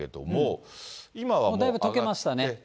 もうだいぶとけましたね。